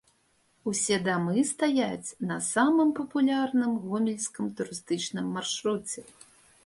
Усе дамы стаяць на самым папулярным гомельскім турыстычным маршруце.